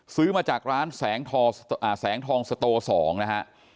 ซื้อมาจากร้านแสงทองสโต๒นะฮะ